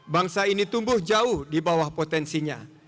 yang tumbuh jauh di bawah potensinya